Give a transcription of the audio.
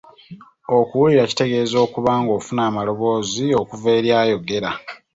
Okuwulira kitegeeza okuba ng'ofuna amaloboozi okuva eri ayogera.